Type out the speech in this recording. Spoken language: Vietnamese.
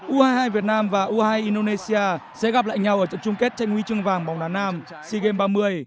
u hai mươi hai việt nam và u hai mươi hai indonesia sẽ gặp lại nhau ở trận chung kết tranh huy chương vàng bóng đá nam sea games ba mươi